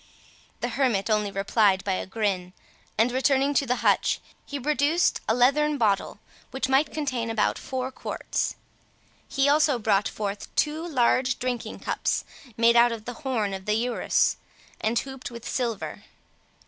The hermit only replied by a grin; and returning to the hutch, he produced a leathern bottle, which might contain about four quarts. He also brought forth two large drinking cups, made out of the horn of the urus, and hooped with silver.